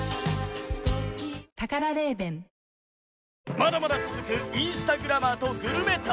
まだまだ続くインスタグラマーとグルメ旅